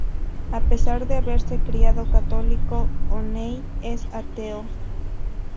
A pesar de haberse criado católico, O'Neill es ateo.